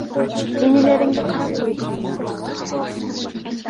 Инилериңди карап кой десең сөзсүз карайт.